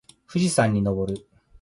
富士山に登る